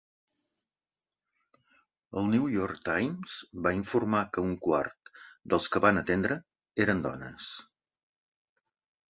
El "New York Times" va informar que un quarte dels que van atendre eren dones.